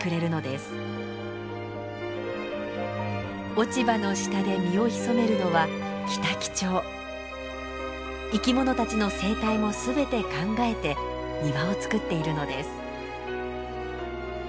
落ち葉の下で身を潜めるのは生き物たちの生態も全て考えて庭をつくっているのです。